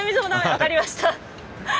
分かりました。